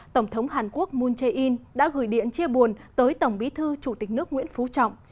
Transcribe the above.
tổng thống hàn quốc moon jae in đã gửi điện chia buồn tới tổng bí thư chủ tịch nước nguyễn phú trọng